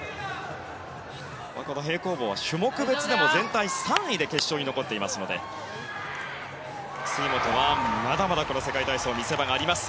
平行棒は種目別でも全体３位で決勝に残っていますので杉本はまだまだ世界体操見せ場があります。